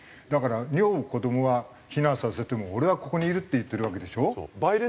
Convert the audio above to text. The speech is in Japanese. だから女房子どもは避難させても俺はここにいるって言ってるわけでしょ？